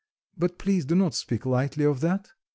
But please do not speak lightly of that."